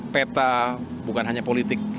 peta bukan hanya politik